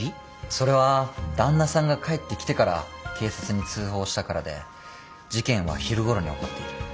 それは旦那さんが帰ってきてから警察に通報したからで事件は昼ごろに起こっている。